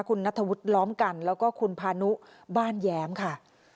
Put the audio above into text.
คุณนัทธวุฒิล้อมกันแล้วก็คุณพานุบ้านแย้มค่ะ